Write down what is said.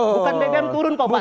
bukan deden turun kok pak